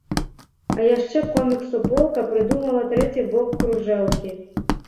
А яшчэ комік-суполка прыдумала трэці бок кружэлкі.